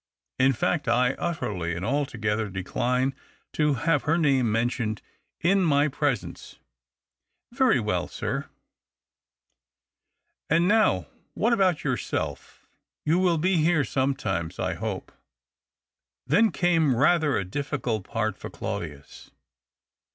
In fact, I utterly and altogether decline to have her name mentioned in my presence." " Very well, sir." THE OCTAVE OF CLAUDIUS. 279 "And now what about yourself? You w^U be here sometimes, I hope ?" Then came rather a difficult part for Claudius.